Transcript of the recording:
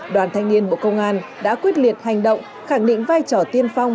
đoàn thanh niên bộ công an đã quyết liệt hành động khẳng định vai trò tiên phong